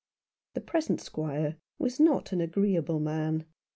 The present squire was not an agreeable man.